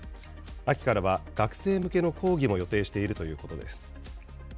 秋からは学生向けの講義も予定しているということです。